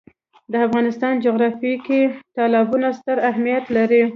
د افغانستان جغرافیه کې تالابونه ستر اهمیت لري.